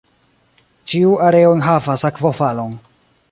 Ĉiu areo enhavas akvofalon.